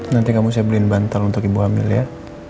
nanti kamu saya beliin bantal untuk ibu hamil ya